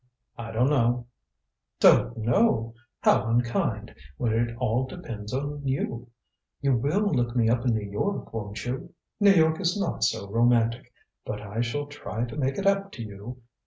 "I don't know." "Don't know? How unkind when it all depends on you. You will look me up in New York, won't you? New York is not so romantic but I shall try to make it up to you.